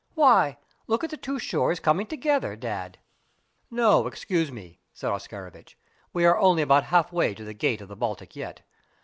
"Why, look at the two shores coming together, Dad!" "No, excuse me," said Oscarovitch, "we are only about half way to the Gate of the Baltic yet.